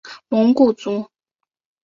蒙古族。